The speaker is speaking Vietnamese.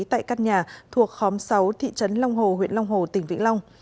tại các nhà thuộc khóm sáu thị trấn long hồ huyện long hồ tỉnh vĩnh long